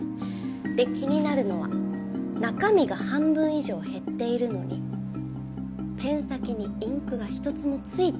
で気になるのは中身が半分以上減っているのにペン先にインクが一つもついていないという事です。